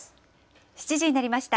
７時になりました。